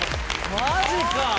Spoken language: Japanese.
マジか！